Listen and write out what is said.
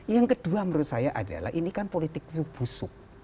yang kedua menurut saya adalah ini kan politik busuk